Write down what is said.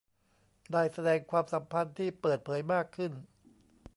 ได้แสดงความสัมพันธ์ที่เปิดเผยมากขึ้น